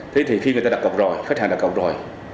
thế thì khi người ta đặt cọc rồi